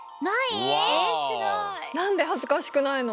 なんではずかしくないの？